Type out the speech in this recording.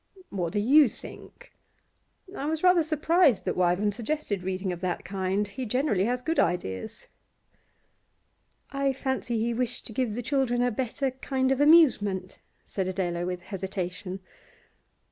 'What do you think? I am rather surprised that Wyvern suggested reading of that kind; he generally has good ideas.' 'I fancy he wished to give the children a better kind of amusement,' said Adela, with hesitation.